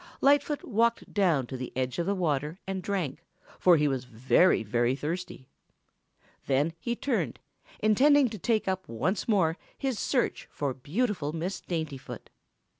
Lightfoot walked down to the edge of the water and drank, for he was very, very thirsty. Then he turned, intending to take up once more his search for beautiful Miss Daintyfoot.